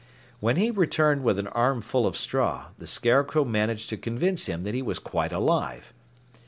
When he returned with an arm full of straw, the Scarecrow managed to convince him that he was quite alive.